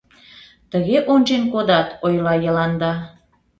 — Тыге ончен кодат, — ойла Йыланда.